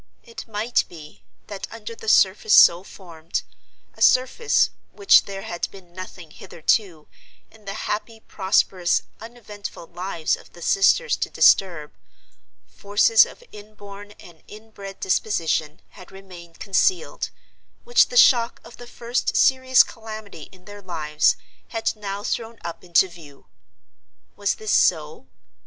It might be, that under the surface so formed—a surface which there had been nothing, hitherto, in the happy, prosperous, uneventful lives of the sisters to disturb—forces of inborn and inbred disposition had remained concealed, which the shock of the first serious calamity in their lives had now thrown up into view. Was this so?